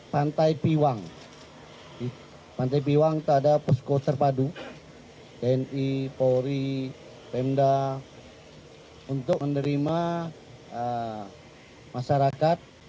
pantai piwang di pantai piwang tak ada posko terpadu tni polri pemda untuk menerima masyarakat